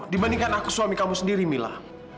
dibandingkan aku suami kamu sendiri mila